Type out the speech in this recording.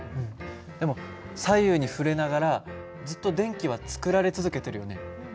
でも左右に振れながらずっと電気は作られ続けてるよね。